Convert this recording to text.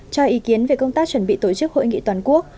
cho ý kiến về công tác chuẩn bị tổ chức hội nghị toàn quốc